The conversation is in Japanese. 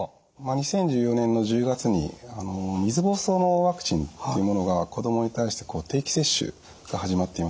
２０１４年の１０月に水ぼうそうのワクチンっていうものが子供に対して定期接種が始まっています。